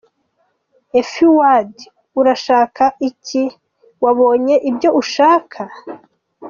"A few words? Urasha-k-ka iki? Wabo-enye ibyo ushaka.